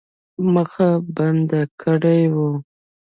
مخه بنده کړې وه.